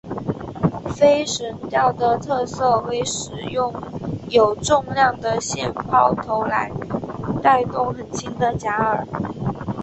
飞蝇钓的特色为使用有重量的线抛投来带动很轻的假饵。